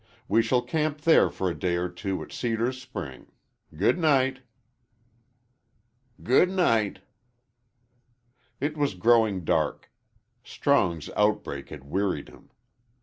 We shall camp there for a day or two at Cedar Spring. Good night." "Good night." It was growing dark. Strong's outbreak had wearied him.